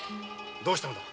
どうしたのだ？